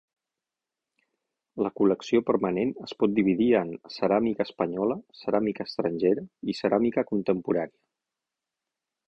La col·lecció permanent es pot dividir en: ceràmica espanyola, ceràmica estrangera i ceràmica contemporània.